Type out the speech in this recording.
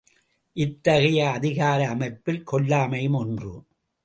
இத்தகைய அதிகார அமைப்பில் கொல்லாமையும் ஒன்று.